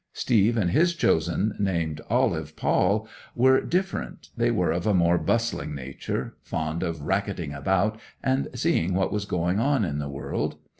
Steve and his chosen, named Olive Pawle, were different; they were of a more bustling nature, fond of racketing about and seeing what was going on in the world.